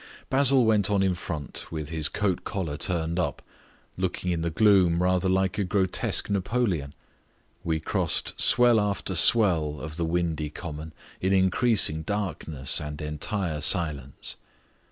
Basil went on in front with his coat collar turned up, looking in the gloom rather like a grotesque Napoleon. We crossed swell after swell of the windy common in increasing darkness and entire silence.